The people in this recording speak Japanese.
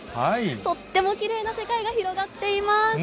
とってもきれいな世界が広がっています。